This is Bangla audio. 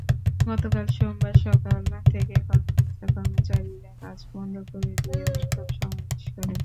গতকাল সোমবার সকাল থেকে কর্মকর্তা-কর্মচারীরা কাজ বন্ধ করে দিয়ে বিক্ষোভ সমাবেশ করেন।